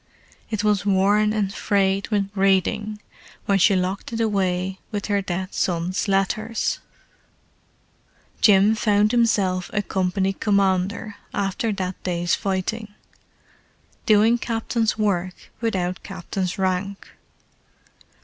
It was worn and frayed with reading when she locked it away with her dead son's letters. Jim found himself a company commander after that day's fighting—doing captain's work without captain's rank.